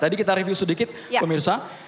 jadi kita review sedikit pemirsa